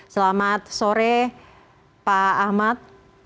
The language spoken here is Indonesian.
selamat sore pak ahmad